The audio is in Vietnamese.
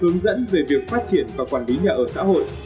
hướng dẫn về việc phát triển và quản lý nhà ở xã hội